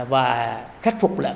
và khắc phục lại